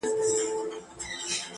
واړه عمر دغه انسان داسې و